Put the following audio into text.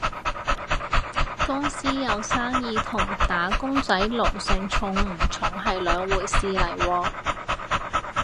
公司有生意同打工仔奴性重唔重係兩回事嚟喎